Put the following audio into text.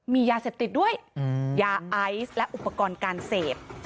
มียาเสพติดด้วยยาไอซ์และอุปกรณ์การเสพ